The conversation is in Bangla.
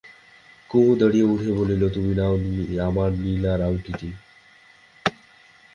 কুমু দাঁড়িয়ে উঠে বললে, তুমি নাও নি আমার নীলার আংটি?